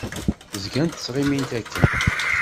Zgant ttɣimint akken.